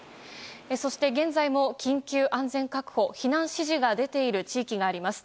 そして、現在も緊急安全確保避難指示が出ている地域があります。